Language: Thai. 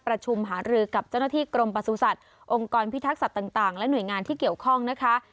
ประชุมหารือกับเจ้าหน้าที่กรมประสุทธิ์องค์กรพิทักษัตริย์ต่างและหน่วยงานที่เกี่ยวข้องนะคะ